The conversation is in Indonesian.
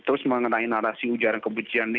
terus mengenai narasi ujaran kebencian ini